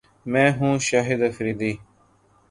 میں ہوں شاہد افریدی